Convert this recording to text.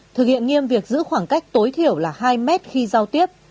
thực hiện nghiêm việc giữ khoảng cách tối thiểu là hai mét khi giao tiếp